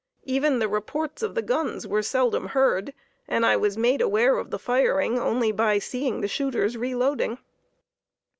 Even the reports of the guns were seldom heard, and I was made aware of the firing only by seeing the shooters reloading.